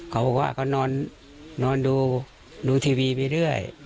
เค้าบอกว่าเค้านอนดูทีวีไปด้วย